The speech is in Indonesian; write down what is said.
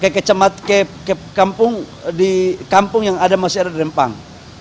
ke kampung yang masih ada di rempang